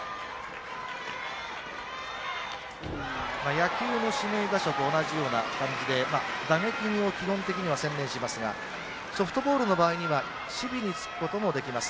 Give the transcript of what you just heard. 野球の指名打者と同じような感じで打撃に基本は専念しますがソフトボールの場合には守備に就くこともできます。